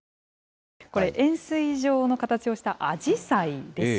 これ、円すい状の形をしたアジサイです。